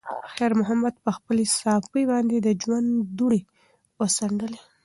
خیر محمد په خپلې صافې باندې د ژوند دوړې وڅنډلې.